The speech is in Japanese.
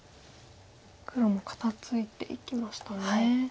黒も肩ツイていきましたね。